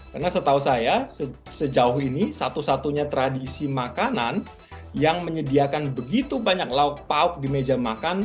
karena setahu saya sejauh ini satu satunya tradisi makanan yang menyediakan begitu banyak lauk lauk di meja makan